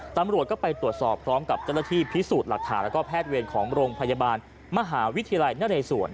ตำรวจก็ไปตรวจสอบพร้อมกับเจ้าหน้าที่พิสูจน์หลักฐานแล้วก็แพทย์เวรของโรงพยาบาลมหาวิทยาลัยนเรศวร